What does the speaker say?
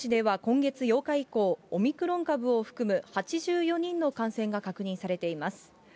市では今月８日以降、オミクロン株を含む８４人の感染が確認されています。